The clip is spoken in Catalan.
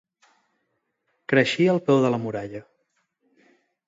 Creixia al peu de la muralla.